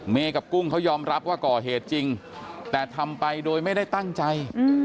กับกุ้งเขายอมรับว่าก่อเหตุจริงแต่ทำไปโดยไม่ได้ตั้งใจ